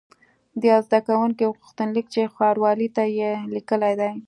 د یوه زده کوونکي غوښتنلیک چې ښاروالۍ ته یې لیکلی دی.